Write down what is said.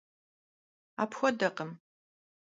Apxuedekhım.